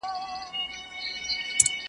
پرېمانۍ ته غویی تللی په حیرت وو .